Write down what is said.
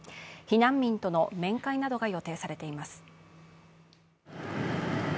避難民との面会などが予定されています。